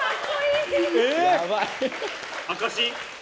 証し？